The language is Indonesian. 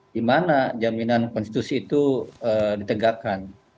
di mana jaminan konstitusi itu ditegakkan